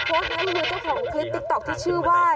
มีมือเจ้าของคลิปติ๊กต๊อกที่ชื่อว่า